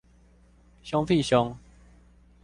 兇屁兇